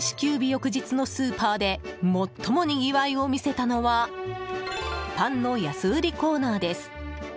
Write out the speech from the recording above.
翌日のスーパーで最もにぎわいを見せたのはパンの安売りコーナーです。